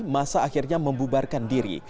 massa akhirnya membubarkan diri